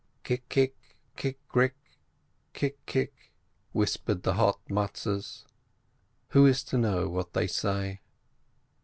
"Kik kik, kik rik, kik rik," whispered the hot Matzes. Who is to know what they say